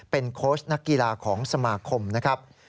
เป็นโค้ชนักกีฬาของสมาคมนะครับ